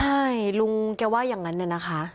ใช่ลุงแกว่าอย่างนั้นน่ะนะคะ